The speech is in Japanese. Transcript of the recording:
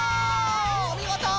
おみごと！